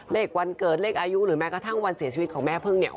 เลขวันเกิดเลขอายุหรือแม้กระทั่งวันเสียชีวิตของแม่พึ่งเนี่ย